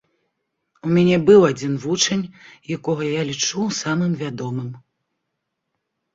У мяне быў адзін вучань, якога я лічу самым вядомым.